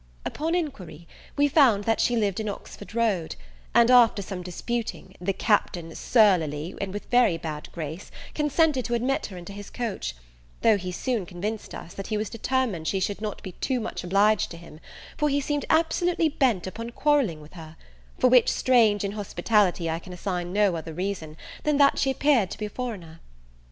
Upon inquiry, we found that she lived in Oxford Road; and, after some disputing, the Captain surlily, and, with a very bad grace, consented to admit her into his coach; though he soon convinced us, that he was determined she should not be too much obliged to him, for he seemed absolutely bent upon quarrelling with her: for which strange inhospitality I can assign no other reason, than that she appeared to be a foreigner.